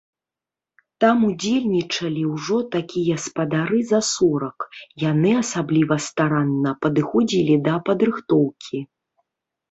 Там удзельнічалі ўжо такія спадары за сорак, яны асабліва старанна падыходзілі да падрыхтоўкі.